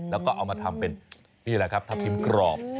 พอมาทำเป็นทับทิมกรอบ